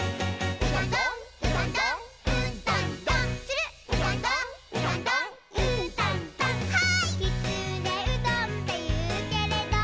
「きつねうどんっていうけれど」